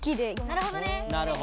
なるほど。